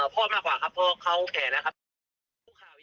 พ่อมากว่าครับเพราะเข้าแผ่นะครับ